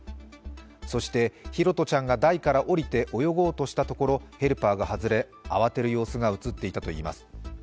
そして拓杜ちゃんが台から降りて泳ごうとしたところヘルパーが外れ慌てる様子が映っていたということです。